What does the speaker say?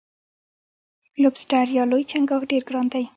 لوبسټر یا لوی چنګاښ ډیر ګران دی.